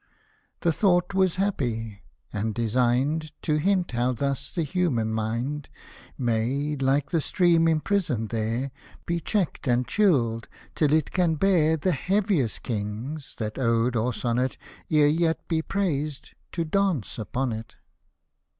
The thought was happy — and designed To hint how thus the human Mind May, like the stream imprisoned there, Be checked and chilled, till it can bear The heaviest Kings, that ode or sonnet E'er yet be praised, to dance upon it.